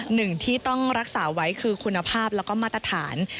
หนึ่งที่ต้องรักษาไว้คือคุณภาพแล้วก็มาตรฐาน